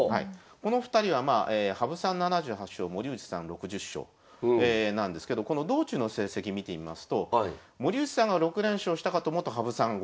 この２人はまあ羽生さん７８勝森内さん６０勝なんですけどこの道中の成績見てみますと森内さんが６連勝したかと思うと羽生さんが５連勝。